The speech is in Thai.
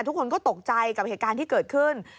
ทุกคนก็ตกใจกับเหตุการณ์ที่เกิดขึ้น